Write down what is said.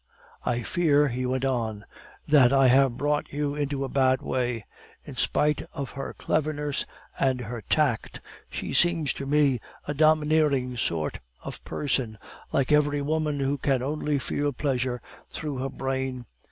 I fear,' he went on, 'that I have brought you into a bad way. In spite of her cleverness and her tact, she seems to me a domineering sort of person, like every woman who can only feel pleasure through her brain.